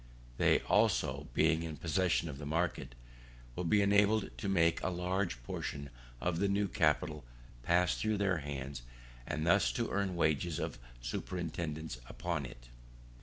They also, being in possession of the market, will be enabled to make a large portion of the new capital pass through their hands, and thus to earn wages of superintendance upon it.